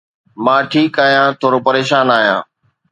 مان ٺيڪ آهيان، ٿورو پريشان آهيان.